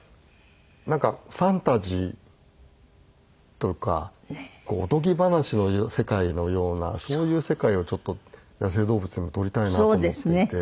なんかファンタジーとかおとぎ話の世界のようなそういう世界をちょっと野生動物でも撮りたいなと思っていて。